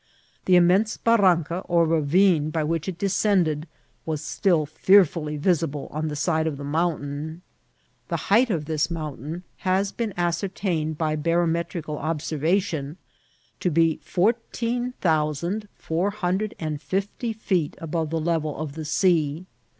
The immense barranca or ravine by which it descended was still fearfully visible on the side of the mountain. The height of this mountain has been ascertained by barometrical observation to be four teen thousand four hundred and fifty feet above the level of the sea.